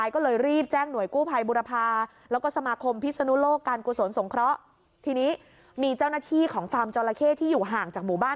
ของฟาร์มเจ้าระเข้ที่อยู่ห่างจากหมู่บ้าน